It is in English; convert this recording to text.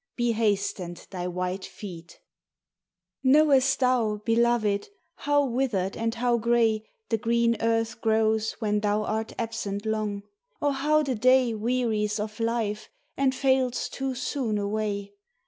Be hastened thy white feet ! Knowest thou, beloved, how withered and how grey The green earth grows when thou are absent long, Or how the day Wearies of life and fails too soon away?